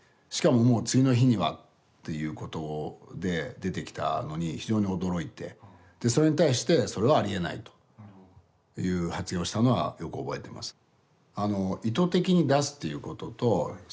しかももう次の日にはっていうことで出てきたのに非常に驚いてそれに対して「それはありえない」という発言をしたのはよく覚えてます。